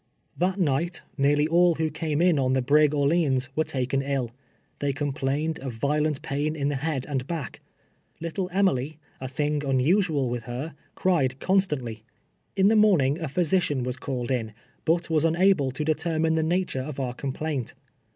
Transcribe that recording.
That night, nearly all who came in on the brigDr leans, were taken ill. They complained of violent pain in the head and back. Little Emily — a thing imusual with her — cried constantly. In the morn ing a physician was called in, but was unable to de termine the nature of our complaint.